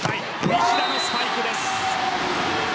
西田のスパイクです。